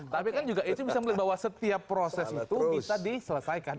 tapi kan juga itu bisa melihat bahwa setiap proses itu bisa diselesaikan